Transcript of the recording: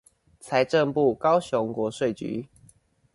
財政部高雄國稅局